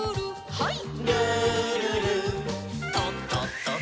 はい。